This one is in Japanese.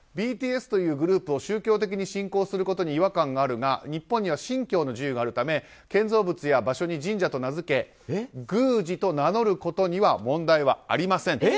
ＢＴＳというグループを宗教的に信仰することに違和感があるが日本には信教の自由があるため建造物や場所に神社と名付け宮司と名乗ることには問題はありません。